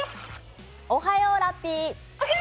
おはようラッピー。